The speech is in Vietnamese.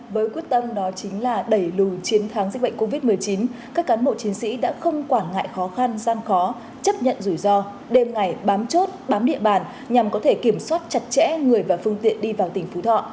với quyết tâm đó chính là đẩy lùi chiến thắng dịch bệnh covid một mươi chín các cán bộ chiến sĩ đã không quản ngại khó khăn gian khó chấp nhận rủi ro đêm ngày bám chốt bám địa bàn nhằm có thể kiểm soát chặt chẽ người và phương tiện đi vào tỉnh phú thọ